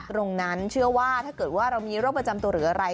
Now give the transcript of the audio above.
เชื่อว่าถ้าเกิดว่าเรามีโรคประจำตัวหรืออะไร